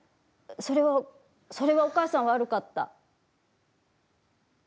それは、それはお母さん悪かった。